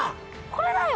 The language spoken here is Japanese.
これだよ！